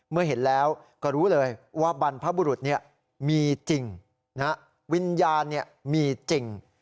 เมื่อเห็นแล้วก็รู้เลยว่าบรรพบุรุษเนี่ยมีจริงนะฮะวิญญาณเนี่ยมีจริง